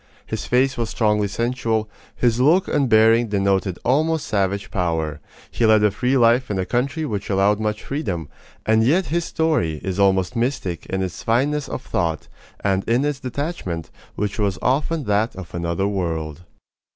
His face was strongly sensual, his look and bearing denoted almost savage power; he led a free life in a country which allowed much freedom; and yet his story is almost mystic in its fineness of thought, and in its detachment, which was often that of another world.